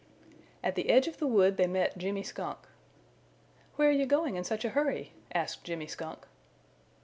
At the edge of the wood they met Jimmy Skunk. "Where are you going in such a hurry?" asked Jimmy Skunk.